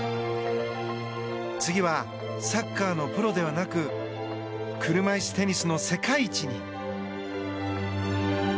次はサッカーのプロではなく車いすテニスの世界一に。